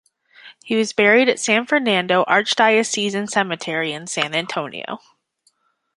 He was buried at San Fernando Archdiocesan Cemetery in San Antonio.